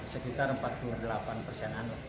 sekitar empat puluh delapan persenan